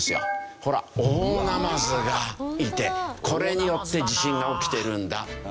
ほら大ナマズがいてこれによって地震が起きてるんだというね。